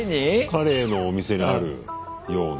カレーのお店にあるような。